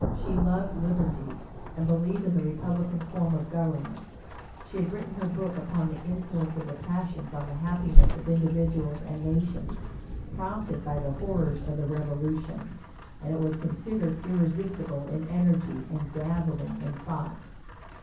She loved liberty, and believed in the republican form of government. She had written her book upon the Influence of the Passions on the Happiness of Individuals and Nations, prompted by the horrors of the Revolution, and it was considered "irresistible in energy and dazzling in thought."